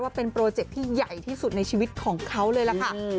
เป็นโปรเจคที่ใหญ่ที่สุดในชีวิตของเขาเลยล่ะค่ะ